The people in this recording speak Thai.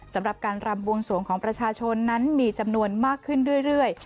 สำหรับการรำบวงสวงของประชาชนนั้นมีจำนวนมากขึ้นเรื่อย